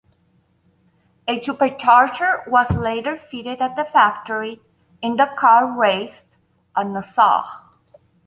A supercharger was later fitted at the factory, and the car raced at Nassau.